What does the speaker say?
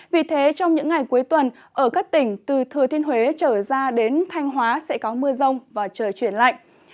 vì thế trong những ngày cuối tuần ở các tỉnh từ thừa thiên huế trở ra đến thanh hóa sẽ có mưa rông và trời chuyển lạnh